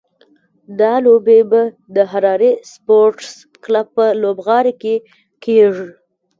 دا لوبې به د هراري سپورټس کلب په لوبغالي کې کېږي.